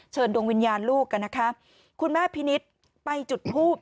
เชิญดวงวิญญาณลูกกันคุณแม่พินิษฐ์ไปจุดภูมิ